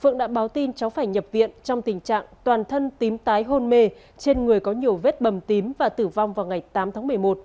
phương đã báo tin cháu phải nhập viện trong tình trạng toàn thân tím tái hôn mê trên người có nhiều vết bầm tím và tử vong vào ngày tám tháng một mươi một